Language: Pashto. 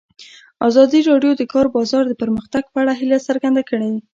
ازادي راډیو د د کار بازار د پرمختګ په اړه هیله څرګنده کړې.